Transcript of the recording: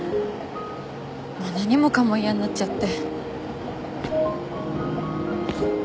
もう何もかも嫌になっちゃって。